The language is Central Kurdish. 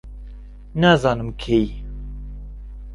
نازانم کەی